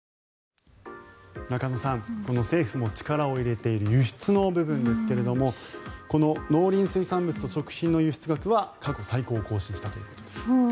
中野さん政府も力を入れている輸出の部分ですがこの農林水産物と食品の輸出額は過去最高額を更新したということです。